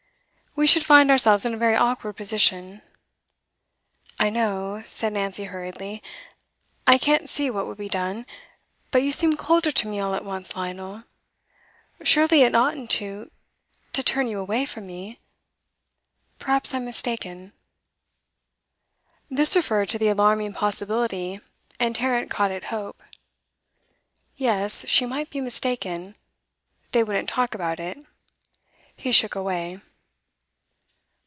'We should find ourselves in a very awkward position.' 'I know,' said Nancy hurriedly. 'I can't see what would be done. But you seem colder to me all at once, Lionel. Surely it oughtn't to to turn you away from me. Perhaps I am mistaken.' This referred to the alarming possibility, and Tarrant caught at hope. Yes, she might be mistaken; they wouldn't talk about it; he shook it away.